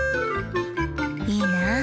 いいな。